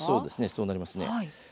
そうなります。